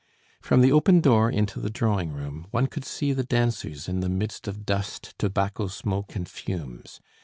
From the open door into the drawing room one could see the dancers in the midst of dust, tobacco smoke and fumes.